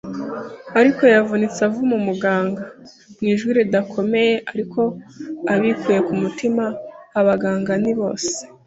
Ariko yavunitse avuma umuganga, mu ijwi ridakomeye ariko abikuye ku mutima. “Abaganga ni bose